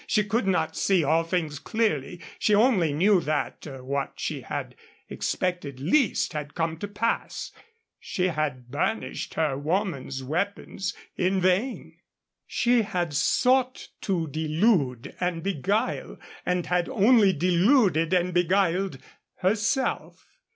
She could not see all things clearly. She only knew that what she had expected least had come to pass. She had burnished her woman's weapons in vain. She had sought to delude and beguile, and had only deluded and beguiled herself.